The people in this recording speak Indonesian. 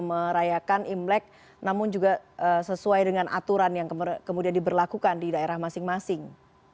merayakan imlek namun juga sesuai dengan aturan yang kemudian diberlakukan di daerah masing masing